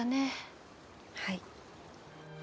はい。